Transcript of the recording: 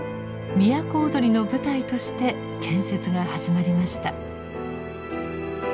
都をどりの舞台として建設が始まりました。